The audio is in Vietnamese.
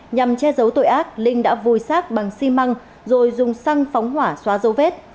nhằm che giấu tội ác linh đã vùi sát bằng xi măng rồi dùng xăng phóng hỏa xóa dấu vết